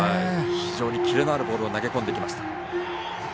非常にキレのあるボールを投げ込んできました。